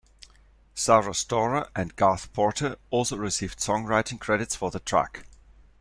Sara Storer and Garth Porter also received songwriting credits for the track.